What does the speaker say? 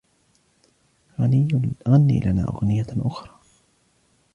غني لنا أغنية أخرى.